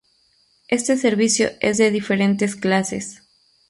Este servicio es de diferentes clases.